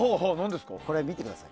これ、見てください。